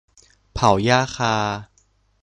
เผาหญ้าคา